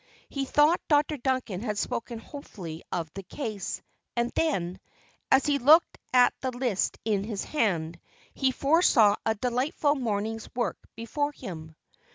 He thought Dr. Duncan had spoken hopefully of the case; and then, as he looked at the list in his hand, he foresaw a delightful morning's work before him.